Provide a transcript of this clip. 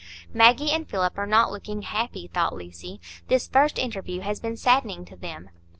"Maggie and Philip are not looking happy," thought Lucy; "this first interview has been saddening to them."